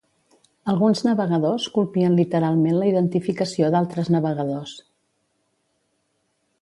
Alguns navegadors colpien literalment la identificació d'altres navegadors.